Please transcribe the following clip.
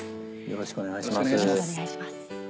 よろしくお願いします。